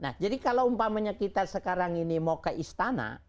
nah jadi kalau umpamanya kita sekarang ini mau ke istana